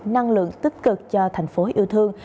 năng lượng tích cực cho thành phố yêu thương